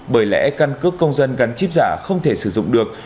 bởi lẽ căn cước công dân gắn chip giả không thể sử dụng được